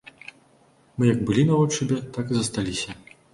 Мы як былі на наводшыбе, так і засталіся.